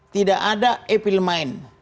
tidak ada epil main